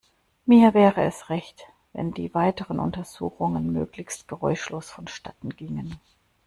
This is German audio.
Mir wäre es recht, wenn die weiteren Untersuchungen möglichst geräuschlos vonstatten gingen.